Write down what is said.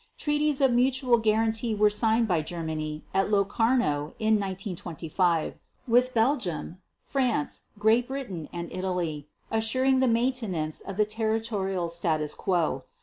Treaties of mutual guarantee were signed by Germany at Locarno in 1925, with Belgium, France, Great Britain, and Italy, assuring the maintenance of the territorial status quo.